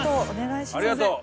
ありがとう。